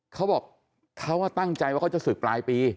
เขาบอกเขาตั้งใจว่าเขาจะศึกปลายปี